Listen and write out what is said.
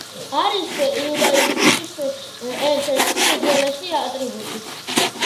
არის იუდაიზმის ერთ ერთი უძველესი ატრიბუტი.